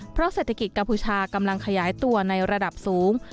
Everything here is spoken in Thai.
เพราะเศรษฐกิจกัมพูชากำลังขยายตัวในระดับสูง